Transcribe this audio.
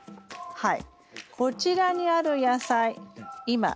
はい。